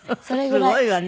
すごいわね。